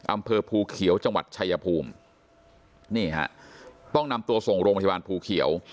อำเภอภูเขียวจังหวัดชายภูมินี่ฮะต้องนำตัวส่งโรงพยาบาลภูเขียว